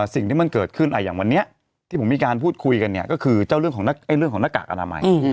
สิ่งที่มันเกิดขึ้นอย่างวันนี้ที่ผมมีการพูดคุยกันเนี่ยก็คือเจ้าเรื่องของหน้ากากอนามัย